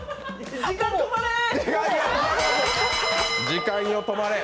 時間止まれ！